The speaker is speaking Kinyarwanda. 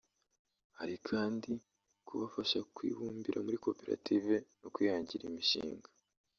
Hari kandi kubafasha kwibumbira muri koperative no kwihangira imishinga